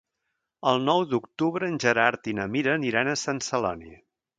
El nou d'octubre en Gerard i na Mira aniran a Sant Celoni.